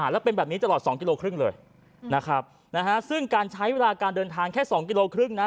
แล้วเป็นแบบนี้ตลอด๒กิโลครึ่งเลยนะครับซึ่งการใช้เวลาการเดินทางแค่๒กิโลครึ่งนะ